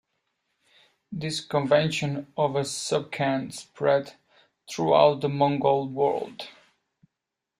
This convention of a sub-khan spread throughout the Mongol world.